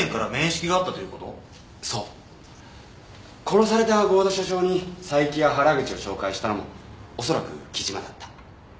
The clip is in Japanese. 殺された合田社長に佐伯や原口を紹介したのも恐らく貴島だった。